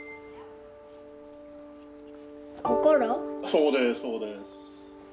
そうですそうです。